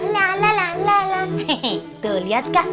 baru beli ya